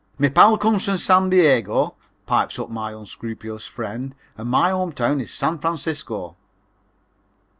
"Me pal comes from San Diego," pipes up my unscrupulous friend, "and my home town is San Francisco."